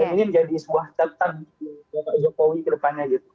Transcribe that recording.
dan ini menjadi sebuah catatan bapak jokowi ke depannya gitu